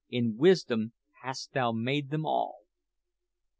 in wisdom hast Thou made them all.'"